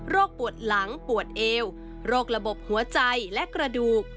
ปวดหลังปวดเอวโรคระบบหัวใจและกระดูก